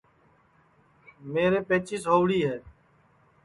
میرے پئچیس ہؤڑی ہے